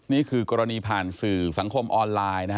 นี่คือกรณีผ่านสื่อสังคมออนไลน์นะฮะ